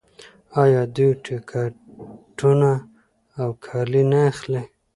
آیا دوی ټکټونه او کالي نه اخلي؟